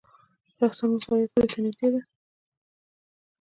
کهسان ولسوالۍ پولې ته نږدې ده؟